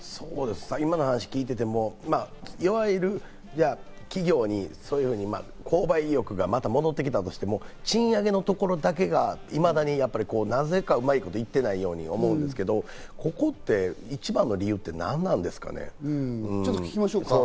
今のお話を聞いていても、いわゆる企業に購買意欲がまた戻ってきたとしても賃上げのところだけがいまだになぜか、うまいこといってないように思うんですけど、ここって一番の理由って何なんですかね？